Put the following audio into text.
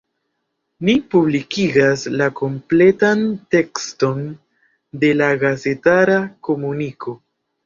Ni publikigas la kompletan tekston de la gazetara komuniko.